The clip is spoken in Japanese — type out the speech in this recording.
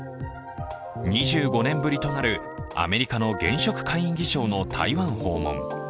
２５年ぶりとなる、アメリカの現職下院議長の台湾訪問。